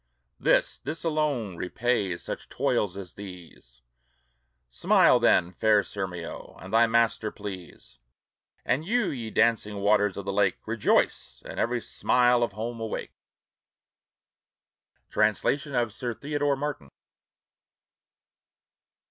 This, this alone, repays such toils as these! Smile, then, fair Sirmio, and thy master please, And you, ye dancing waters of the lake, Rejoice; and every smile of home awake! Translation of Sir Theodore Martin.